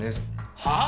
はあ？